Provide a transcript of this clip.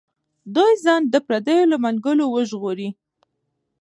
دوی ځان د پردیو له منګولو وژغوري.